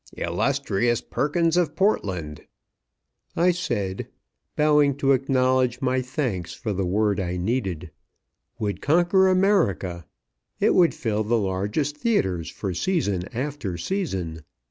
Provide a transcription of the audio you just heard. "Illustrious Perkins of Portland," I said, bowing to acknowledge my thanks for the word I needed, "would conquer America. It would fill the largest theatres for season after season.